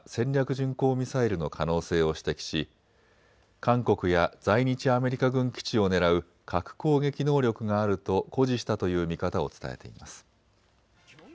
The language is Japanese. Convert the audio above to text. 巡航ミサイルの可能性を指摘し韓国や在日アメリカ軍基地を狙う核攻撃能力があると誇示したという見方を伝えています。